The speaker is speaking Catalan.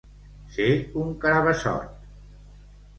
Ser un carabassot.